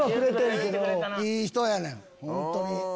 いい人やねん本当に。